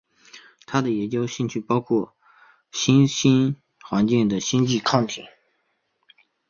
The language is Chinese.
他的研究兴趣包括超新星环境和星际气体。